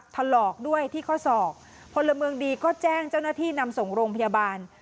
ถลอกด้วยที่ข้อศอกพลเมืองดีก็แจ้งเจ้าหน้าที่นำส่งโรงพยาบาล